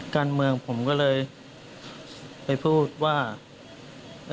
การเมืองผมก็เลยไปพูดว่า